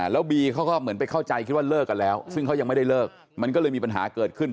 แล้วบีเขาก็เหมือนไปเข้าใจคิดว่าเลิกกันแล้วซึ่งเขายังไม่ได้เลิกมันก็เลยมีปัญหาเกิดขึ้น